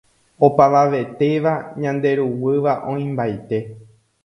opavavetéva ñanderuguýva oĩmbaite